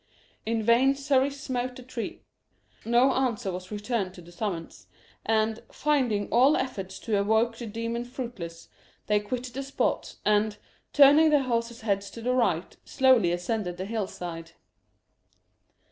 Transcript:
In vain Surrey smote the tree. No answer was returned to the summons; and, finding all efforts to evoke the demon fruitless, they quitted the spot, and, turning their horses' heads to the right, slowly ascended the hill side.